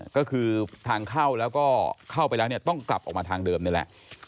ก็คือทางเข้าแล้วก็เข้าไปแล้วเนี่ยต้องกลับออกมาทางเดิมนี่แหละ